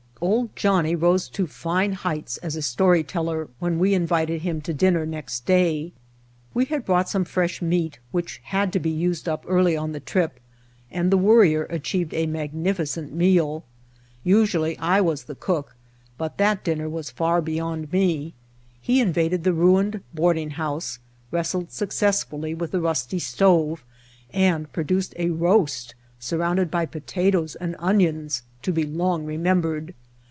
"Old Johnnie" rose to fine heights as a story teller when we invited him to dinner next day. We had brought some fresh meat which had to be used up early on the trip, and the Worrier achieved a magnificent meal. Usually I was the cook, but that dinner was far beyond me. He invaded the ruined boarding house, wrestled suc cessfully with the rusty stove, and produced a roast surrounded by potatoes and onions to be long remembered.